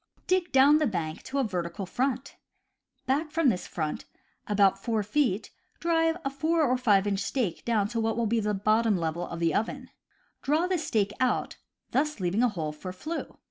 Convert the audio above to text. Dig down the bank to ^" a vertical front. Back from this front, about 4 feet, drive a 4» or 5 inch stake down to what will be the bottom level of the oven. Draw the stake out, thus leaving a hole for flue.